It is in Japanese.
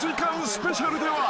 スペシャルでは］